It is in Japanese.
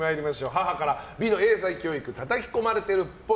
母から美の英才教育たたき込まれているっぽい。